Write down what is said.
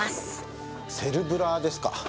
セルブラですか。